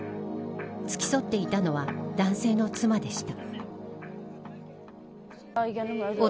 付き添っていたのは男性の妻でした。